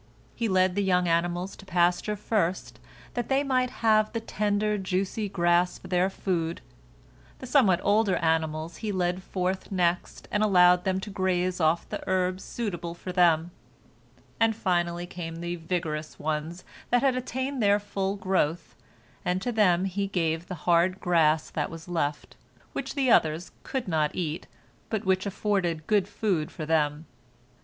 He led the young animals to pasture first, that they might have the tender, juicy grass for their food; the somewhat older animals he led forth next, and allowed them to graze off the herbs suitable for them; and finally came the vigorous ones that had attained their full growth, and to them he gave the hard grass that was left, which the others could not eat, but which afforded good food for them.